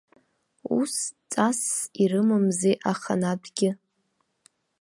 Ус ҵасс ирымамзи аханатәгьы.